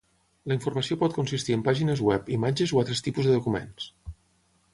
La informació pot consistir en pàgines web, imatges o altres tipus de documents.